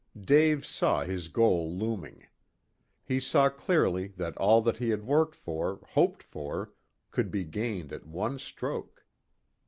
Dave saw his goal looming. He saw clearly that all that he had worked for, hoped for, could be gained at one stroke.